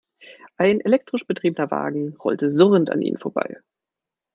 Ein elektrisch betriebener Wagen rollte surrend an ihnen vorbei.